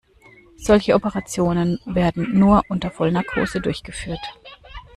Solche Operationen werden nur unter Vollnarkose durchgeführt.